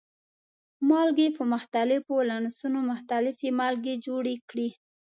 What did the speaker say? مالګې په مختلفو ولانسونو مختلفې مالګې جوړې کړي.